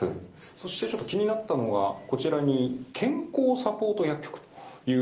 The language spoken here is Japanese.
そしてちょっと気になったのがこちらに健康サポート薬局というのがあるんですが